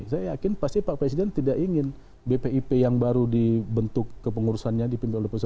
saya yakin pasti pak presiden tidak ingin bpip yang baru dibentuk kepengurusannya dipimpin oleh presiden